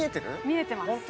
見えてます。